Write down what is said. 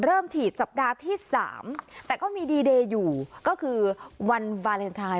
เริ่มฉีดสัปดาห์ที่๓แต่ก็มีดีเดย์อยู่ก็คือวันวาเลนไทย